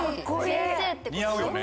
似合うよね。